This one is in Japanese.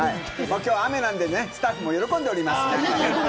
きょうは雨なんで、スタッフも喜んでおります。